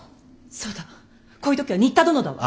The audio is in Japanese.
そうだわこういう時は仁田殿だわ。